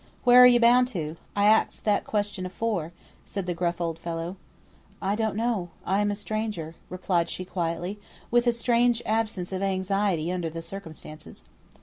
"Where are you bound to? I axed that question afore," said the gruff old fellow. "I don't know. I'm a stranger," replied she, quietly, with a strange absence of anxiety under the circumstances.